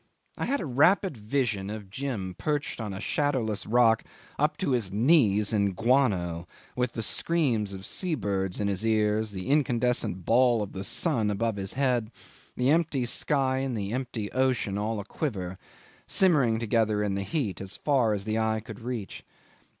I had a rapid vision of Jim perched on a shadowless rock, up to his knees in guano, with the screams of sea birds in his ears, the incandescent ball of the sun above his head; the empty sky and the empty ocean all a quiver, simmering together in the heat as far as the eye could reach.